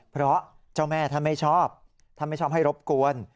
เพราะเจ้าแม่ท่านไม่ชอบท่านไม่ชอบให้รบกวน